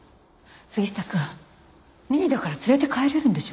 杉下くん任意だから連れて帰れるんでしょう？